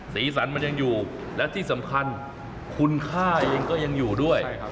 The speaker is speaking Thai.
สีสันมันยังอยู่และที่สำคัญคุณค่าเองก็ยังอยู่ด้วย